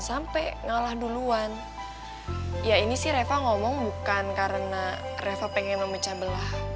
sampai ngalah duluan ya ini sih reva ngomong bukan karena reva pengen memecah belah